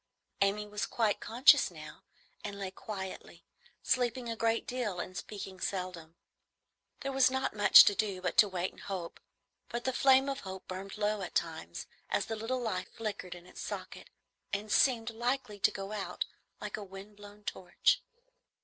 Amy was quite conscious now, and lay quietly, sleeping a great deal and speaking seldom. There was not much to do but to wait and hope; but the flame of hope burned low at times, as the little life flickered in its socket, and seemed likely to go out like a wind blown torch.